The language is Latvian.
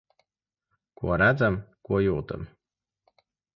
Ko redzam, ko jūtam.